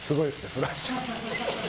フラッシュが。